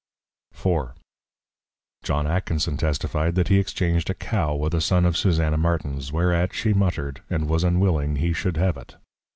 IV. John Atkinson testifi'd, That he exchanged a Cow with a Son of Susanna Martin's, whereat she muttered, and was unwilling he should have it.